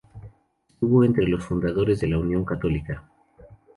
Estuvo entre los fundadores de la Unión Católica.